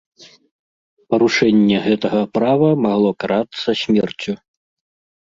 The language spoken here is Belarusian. Парушэнне гэтага права магло карацца смерцю.